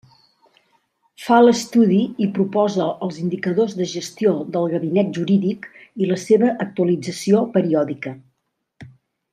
Fa l'estudi i proposa els indicadors de gestió del Gabinet Jurídic i la seva actualització periòdica.